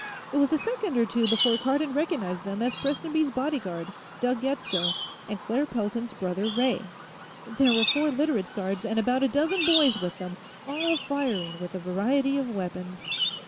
It was a second or two before Cardon recognized them as Prestonby's bodyguard, Doug Yetsko, and Claire Pelton's brother Ray. There were four Literates' guards and about a dozen boys with them, all firing with a variety of weapons.